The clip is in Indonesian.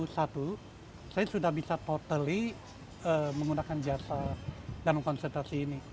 saya sudah bisa totally menggunakan jasa dan konsentrasi ini